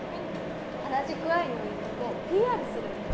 『原宿アイ』のいいとこＰＲするんや。